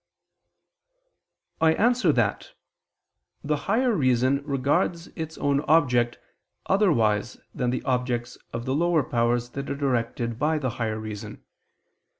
I answer that, The higher reason regards its own object otherwise than the objects of the lower powers that are directed by the higher reason.